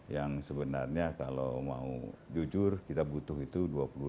yang sebenarnya kalau mau jujur kita butuh itu dua puluh delapan